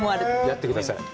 やってください。